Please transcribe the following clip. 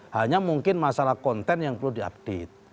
hanya mungkin masalah konten yang perlu diupdate